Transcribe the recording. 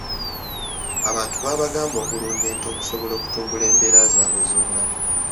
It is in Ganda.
Abantu baabagamba okulunda ente okusobola okutumbula embeera zaabwe ez'obulamu.